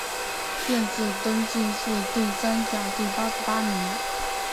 殿试登进士第三甲第八十八名。